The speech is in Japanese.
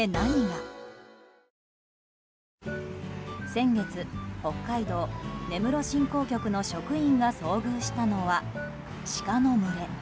先月北海道根室振興局の職員が遭遇したのは、シカの群れ。